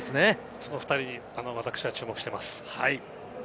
その２人に注目しています。